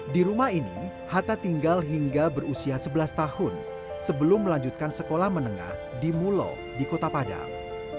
di rumah ini hatta tinggal hingga berusia sebelas tahun sebelum melanjutkan sekolah menengah di mulo di kota padang